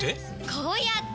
こうやって！